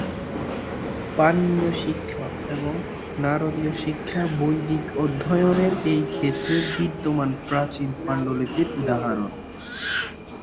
পাণিনিয়-শিক্ষা এবং নারদীয়-শিক্ষা বৈদিক অধ্যয়নের এই ক্ষেত্রের বিদ্যমান প্রাচীন পাণ্ডুলিপির উদাহরণ।